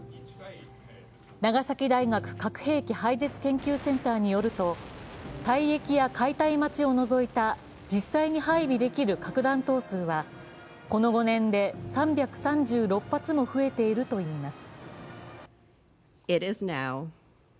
長崎大学核兵器廃絶研究センターによると、退役や解体待ちを除いた実際に配備できる核弾頭数はこの５年で３３６発も増えているといいます。